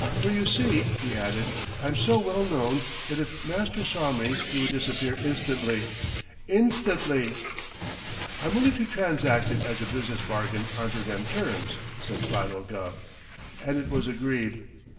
For you see," he added, "I'm so well known that if Master saw me he would disappear instantly. Instantly!" "I'm willing to transact it as a business bargain onto them terms," said Philo Gubb, and it was agreed.